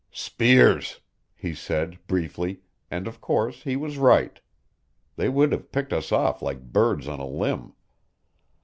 "Spears," he said briefly; and, of course, he was right. They would have picked us off like birds on a limb.